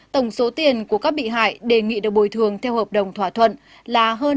tổng số tiền của các bị hại đề nghị được bồi thường theo hợp đồng thỏa thuận là hơn năm trăm bảy mươi bảy tỷ đồng